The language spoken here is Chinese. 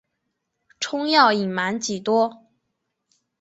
仲要隐瞒几多？